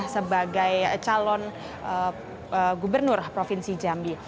sebagai calon gubernur provinsi jambi